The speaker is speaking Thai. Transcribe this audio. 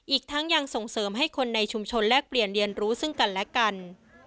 อีกทั้งยังส่งเสริมให้คนในชุมชนแลกเปลี่ยนเรียนรู้ซึ่งกันและกัน